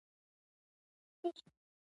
دوی د پرانیستو بنسټونو په مدیریت کې بریالي شول.